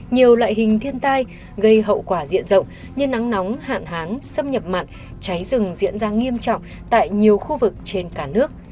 nhiều loại hình thiên tai gây hậu quả diện rộng như nắng nóng hạn hán xâm nhập mặn cháy rừng diễn ra nghiêm trọng tại nhiều khu vực trên cả nước